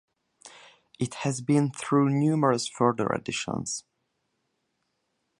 It has been through numerous further editions.